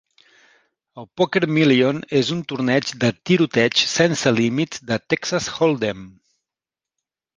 El Poker Million és un torneig de "tiroteig" sense límit de Texas Holdem.